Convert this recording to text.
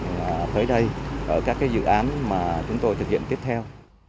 và tới đây ở các cái dự án mà chúng tôi thực hiện tiếp theo